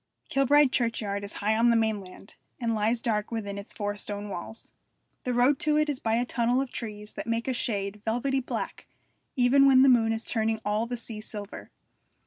Kilbride churchyard is high on the mainland, and lies dark within its four stone walls. The road to it is by a tunnel of trees that make a shade velvety black even when the moon is turning all the sea silver.